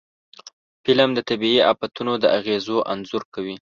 فلم د طبعي آفتونو د اغېزو انځور کوي